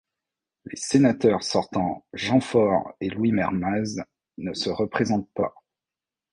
Les sénateurs sortants Jean Faure et Louis Mermaz ne se représentent pas.